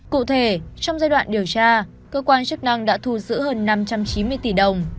cụ thể trong giai đoạn điều tra cơ quan chức năng đã thu giữ hơn năm trăm chín mươi tỷ đồng